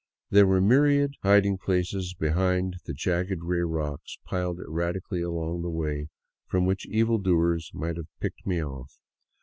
There were myriad hid g places behind the jagged gray rocks piled erratically along the way, from which evil doers might have picked me off.